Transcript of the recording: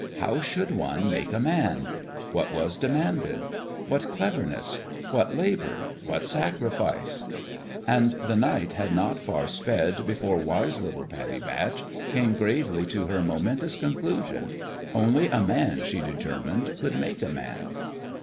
How should one make a Man ? What was demanded ? What cleverness what labour what sacrifice? And the night had not far sped before wise little Pat tie Batch came gravely to her momentous con clusion. Only a man, she determined, could make a Man.